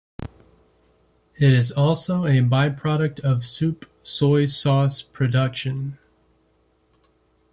It is also a byproduct of soup soy sauce production.